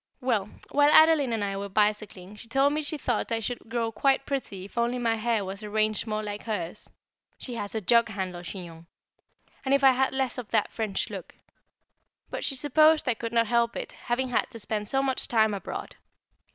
Well, while Adeline and I were bicycling, she told me she thought I should grow quite pretty if only my hair was arranged more like hers she has a jug handle chignon and if I had less of that French look. But she supposed I could not help it, having had to spend so much time abroad.